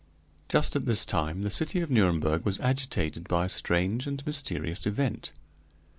Just at this time the city of Nuremberg was agitated by a strange and mysterious event.